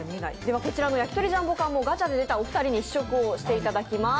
こちらのやきとりジャンボ缶もガチャで出たお二人に試食していただきます。